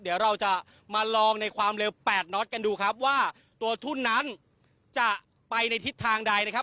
เดี๋ยวเราจะมาลองในความเร็ว๘น็อตกันดูครับว่าตัวทุ่นนั้นจะไปในทิศทางใดนะครับ